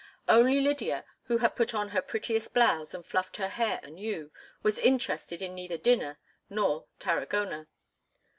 Only Lydia, who had put on her prettiest blouse and fluffed her hair anew, was interested in neither dinner nor Tarragona.